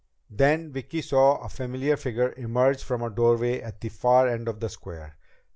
Then Vicki saw a familiar figure emerge from a doorway at the far end of the square.